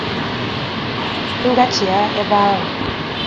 m gachigha ebe ahụ